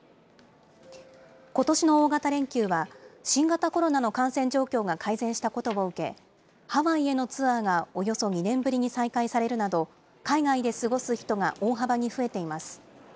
ことしの大型連休は、新型コロナの感染状況が改善したことを受け、ハワイへのツアーがおよそ２年ぶりに再開されるなど、海外で過ごす人が大幅に増えています。